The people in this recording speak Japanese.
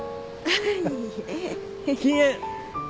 はい。